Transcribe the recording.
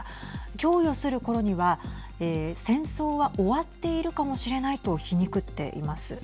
供与するころには戦争は終わっているかもしれないと皮肉っています。